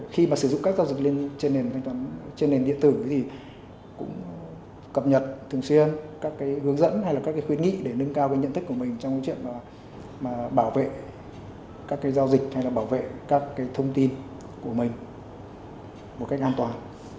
khi mà sử dụng các giao dịch trên nền điện tử thì cũng cập nhật thường xuyên các cái hướng dẫn hay là các cái khuyến nghị để nâng cao cái nhận thức của mình trong cái chuyện mà bảo vệ các cái giao dịch hay là bảo vệ các cái thông tin của mình một cách an toàn